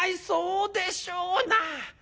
そうでしょうな。